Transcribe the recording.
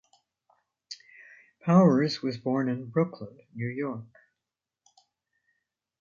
Powers was born in Brooklyn, New York.